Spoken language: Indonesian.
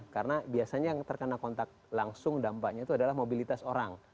karena biasanya yang terkena kontak langsung dampaknya itu adalah mobilitas orang